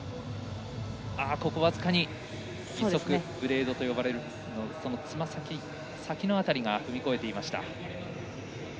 僅かに義足ブレードと呼ばれるつま先の辺りが踏み越えていました。